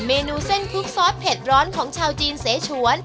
เมนูเส้นคลุกซอสเผ็ดร้อนของชาวจีนเสชวน